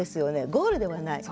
ゴールではない。